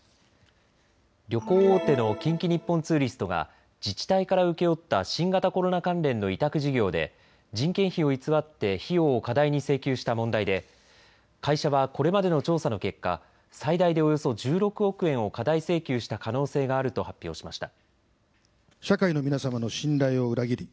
旅行大手の近畿日本ツーリストが自治体から請け負った新型コロナ関連の委託事業で人件費を偽って費用を過大に請求した問題で会社はこれまでの調査の結果、最大でおよそ１６億円を過大請求した可能性があると発表しました。